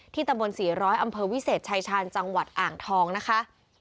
ตำบล๔๐๐อำเภอวิเศษชายชาญจังหวัดอ่างทองนะคะ